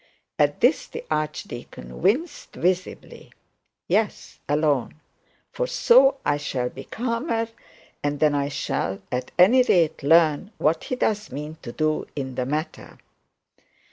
At this the archdeacon winced visibly; 'yes, alone; for so I shall be calmer: and then I shall at any rate learn what he does mean to do in the matter.